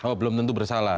oh belum tentu bersalah